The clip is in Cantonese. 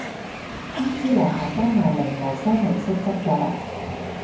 公司樓下間萬寧無聲無息執咗